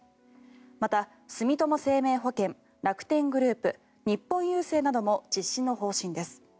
また、住友生命保険楽天グループ、日本郵政なども実施の方針です。